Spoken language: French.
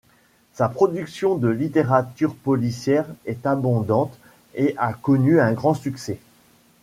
Sa production de littérature policière est abondante et a connu un grand succès.